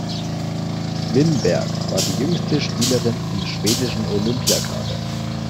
Winberg war die jüngste Spielerin im schwedischen Olympia-Kader.